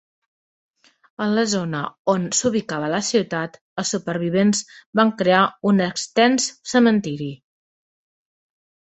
A la zona on s'ubicava la ciutat, els supervivents van crear un extens cementiri.